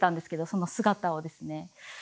その姿をですね。